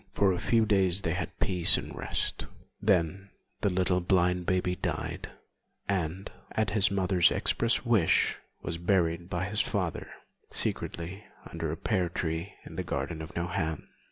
For a few days they had peace and rest; then the little blind baby died, and, at his mother's express wish, was buried by his father secretly under a pear tree in the garden of Nohant.